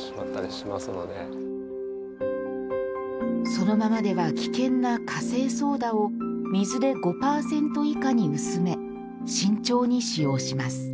そのままでは危険なカセイソーダを水で５％以下に薄め慎重に使用します